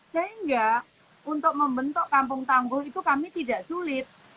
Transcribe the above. sehingga untuk membentuk kampung tangguh itu kami tidak sulit